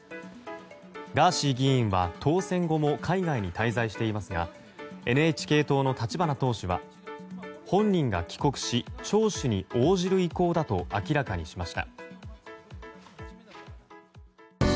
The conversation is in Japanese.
ガーシー議員は当選後も海外に滞在していますがＮＨＫ党の立花党首は本人が帰国し聴取に応じる意向だと明らかにしました。